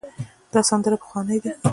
دا سندره پخوانۍ ده.